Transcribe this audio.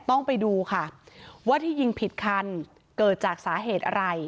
ต้องไปดูค่ะว่าที่ยิงผิดคันเกิดจากสาเหตุอะไร